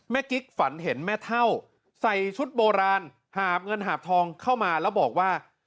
กิ๊กฝันเห็นแม่เท่าใส่ชุดโบราณหาบเงินหาบทองเข้ามาแล้วบอกว่า